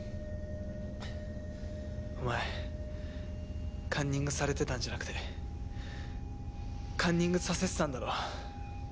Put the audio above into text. お前カンニングされてたんじゃなくてカンニングさせてたんだろ。